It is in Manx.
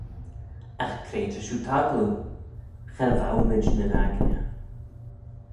Agh cre ta shiu taggloo? Cha vowmayd nyn aigney!